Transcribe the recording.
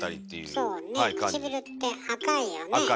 そうねくちびるって赤いよね。